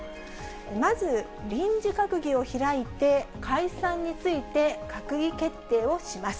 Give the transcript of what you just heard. まず、臨時閣議を開いて、解散について閣議決定をします。